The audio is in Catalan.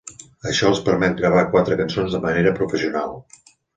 Això els permet gravar quatre cançons de manera professional.